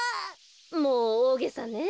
もうおおげさね。